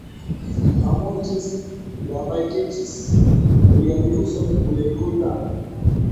Hamuychis llapaykichis uyariykusun willakuyta